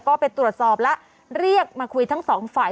ก็ไปตรวจสอบแล้วเรียกมาคุยทั้งสองฝ่าย